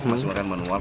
masih makan manual